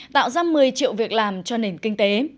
tạo ra một mươi triệu việc làm cho nền kinh tế